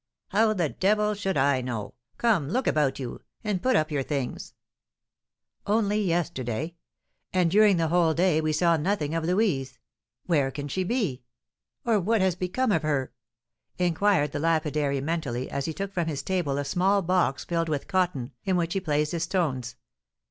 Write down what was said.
"How the devil should I know? Come, look about you, and put up your things." "Only yesterday? And during the whole day we saw nothing of Louise! Where can she be? Or what has become of her?" inquired the lapidary mentally, as he took from his table a small box filled with cotton, in which he placed his stones.